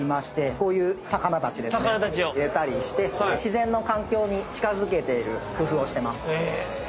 こういう魚たちを入れたりして自然の環境に近づけている工夫をしてます。